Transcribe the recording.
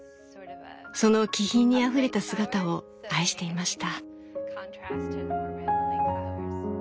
その気品にあふれた姿を愛していました。